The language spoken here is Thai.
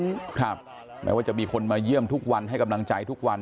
ครับแม้ว่าจะมีคนมาเยี่ยมทุกวันให้กำลังใจทุกวัน